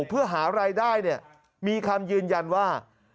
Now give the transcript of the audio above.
เพื่อหารายได้มีคำยืนยันว่า